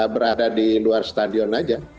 berada di luar stadion aja